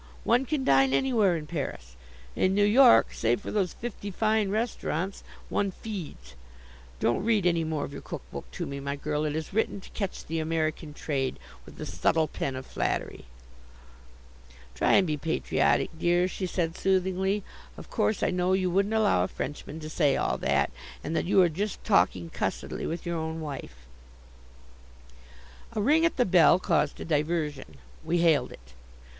One can dine anywhere in Paris. In New York, save for those fifty fine restaurants, one feeds. Don't read any more of your cook book to me, my girl. It is written to catch the American trade, with the subtile pen of flattery." "Try and be patriotic, dear," she said soothingly. "Of course, I know you wouldn't allow a Frenchman to say all that, and that you are just talking cussedly with your own wife." A ring at the bell caused a diversion. We hailed it.